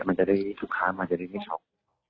มันจะได้ทุกครั้งมันจะได้ไม่ช็อค